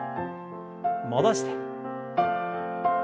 戻して。